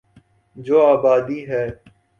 جو آبادی ہے۔